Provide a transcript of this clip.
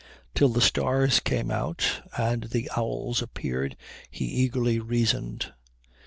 Till the stars came out and the owls appeared he eagerly reasoned.